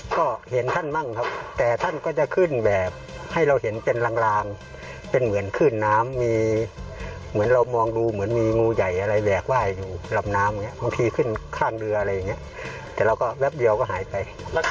ก็เห็นท่านมั่งครับแต่ท่านก็จะขึ้นแบบให้เราเห็นเป็นลางเป็นเหมือนขึ้นน้ำมีเหมือนเรามองดูเหมือนมีงูใหญ่อะไรแบกว่ายอยู่ลำน้ำอย่างเงี้บางทีขึ้นข้างเรืออะไรอย่างเงี้ยแต่เราก็แป๊บเดียวก็หายไป